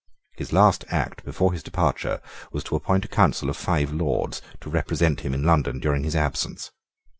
His last act before his departure was to appoint a Council of five Lords to represent him in London during his absence.